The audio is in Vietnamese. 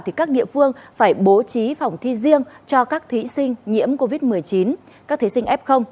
thì các địa phương phải bố trí phòng thi riêng cho các thí sinh nhiễm covid một mươi chín các thí sinh f